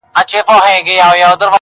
یار به کله راسي، وايي بله ورځ -